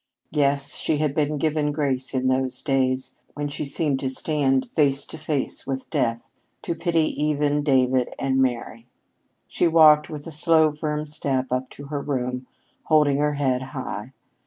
Yes, she had been given grace in those days, when she seemed to stand face to face with death, to pity even David and Mary! She walked with a slow firm step up to her room, holding her head high.